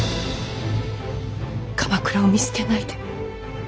鎌倉を見捨てないで。